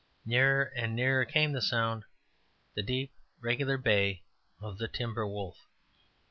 Nearer and nearer came the sound; the deep, regular bay of the timber wolf.